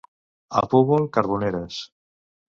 A Púbol, carboneres.